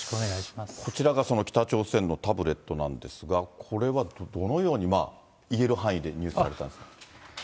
こちらがその北朝鮮のタブレットなんですが、これはどのように、言える範囲で入手されたんですか。